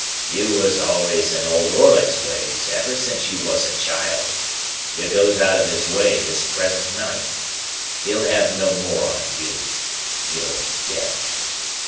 "You was always in Old Orlick's way since ever you was a child. You goes out of his way this present night. He'll have no more on you. You're dead."